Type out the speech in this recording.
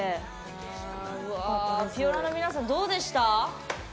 アピオラの皆さんどうでした？